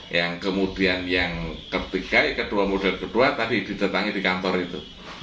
yang kemudian yang ketiga kedua model kedua tadi ditetangi di kantor itu